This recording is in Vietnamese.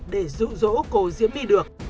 để rụ rỗ cô diễm my được